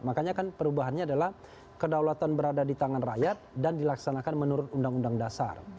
makanya kan perubahannya adalah kedaulatan berada di tangan rakyat dan dilaksanakan menurut undang undang dasar